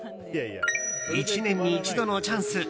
１年に一度のチャンス。